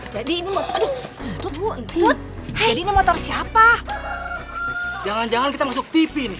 jadi ini motor siapa jangan jangan kita masuk tv nih